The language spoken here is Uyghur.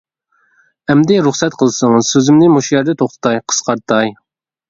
ئەمدى رۇخسەت قىلسىڭىز، سۆزۈمنى مۇشۇ يەردە توختىتاي، قىسقارتاي.